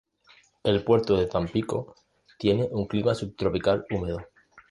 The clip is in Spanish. El Puerto de Tampico tiene un clima subtropical húmedo.